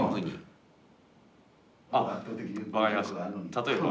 例えば